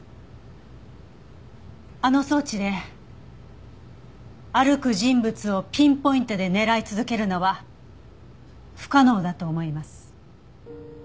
あの装置で歩く人物をピンポイントで狙い続けるのは不可能だと思います。